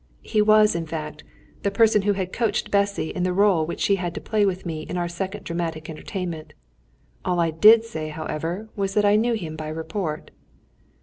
He was, in fact, the person who had coached Bessy in the rôle which she had to play with me in our second dramatic entertainment. All I did say, however, was that I knew him by report.